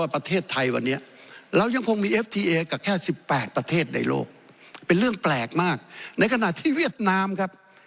๘ประเทศในโลกเป็นเรื่องแปลกมากในขณะที่เวียดนามครับ